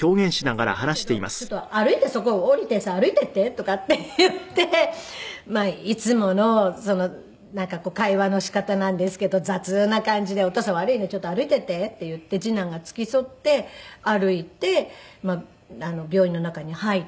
「じゃあさ悪いけどちょっと歩いてそこ降りてさ歩いていって」とかって言っていつもの会話の仕方なんですけど雑な感じで「お父さん悪いね。ちょっと歩いていって」って言って次男が付き添って歩いて病院の中に入って。